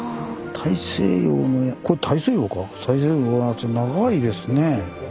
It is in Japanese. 大西洋のやつ長いですね。